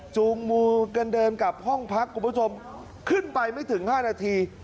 จูงมือกันเดินกลับห้องพักคุณผู้ชมขึ้นไปไม่ถึง๕นาที